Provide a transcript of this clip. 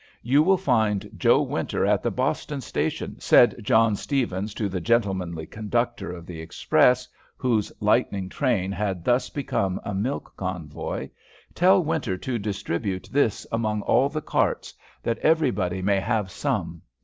"You will find Joe Winter at the Boston station," said John Stevens to the "gentlemanly conductor" of the express, whose lightning train had thus become a milk convoy. "Tell Winter to distribute this among all the carts, that everybody may have some.